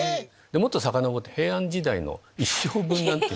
⁉もっとさかのぼって平安時代の一生分なんていう。